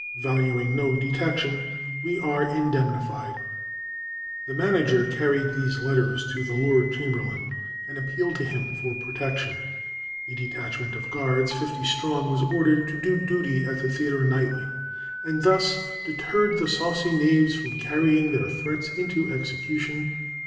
Valuing no detection, we are INDEMNIFIED." The manager carried these letters to the Lord Chamberlain and appealed to him for protection. A detachment of the guards, fifty strong, was ordered to do duty at the theatre nightly, and "thus deterred the saucy knaves from carrying their threats into execution.